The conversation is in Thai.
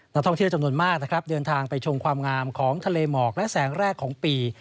นักท่องเที่ยวจำนวนมากนะครับเดินทางไปชมความงามของทะเลหมอกและแสงแรกของปี